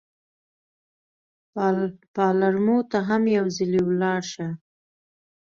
پالرمو ته هم یو ځلي ولاړ شه.